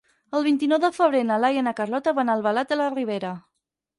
El vint-i-nou de febrer na Laia i na Carlota van a Albalat de la Ribera.